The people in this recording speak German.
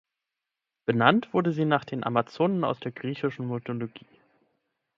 Benannt wurde sie nach den Amazonen aus der griechischen Mythologie.